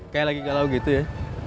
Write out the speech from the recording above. kayak lagi kalau gitu ya